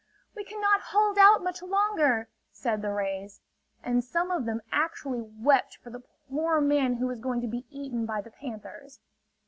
"We cannot hold out much longer!" said the rays. And some of them actually wept for the poor man who was going to be eaten by the panthers.